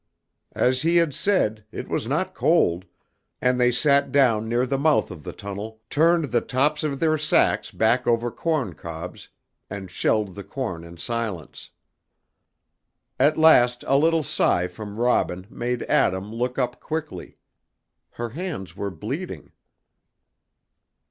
As he had said, it was not cold, and they sat down near the mouth of the tunnel, turned the tops of their sacks back over corncobs, and shelled the corn in silence. At last a little sigh from Robin made Adam look up quickly. Her hands were bleeding.